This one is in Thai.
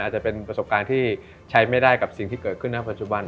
อาจจะเป็นประสบการณ์ที่ใช้ไม่ได้กับสิ่งที่เกิดขึ้นนะปัจจุบัน